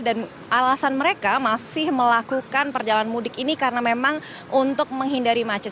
alasan mereka masih melakukan perjalanan mudik ini karena memang untuk menghindari macet